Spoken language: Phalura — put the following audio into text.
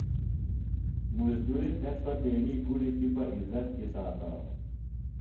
مُزدُری تھےۡ سوۡ تیݨی کُڑیۡ تپِہ عزت کی ساتانوۡ۔